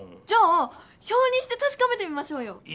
じゃあ表にしてたしかめてみましょうよ！